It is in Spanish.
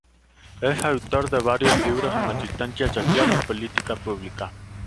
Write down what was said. Es autor de varios libros en asistencia social y política pública.